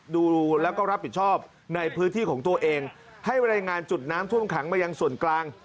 ดูแล้วก็รับผิดชอบในพื้นที่ของตัวเองให้รายงานจุดน้ำท่วมขังมายังส่วนกลาง